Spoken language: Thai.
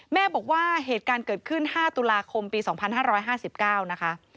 แม่บอกว่าเหตุการณ์เกิดขึ้น๕ตุลาคมปี๒๕๕๙นะคะ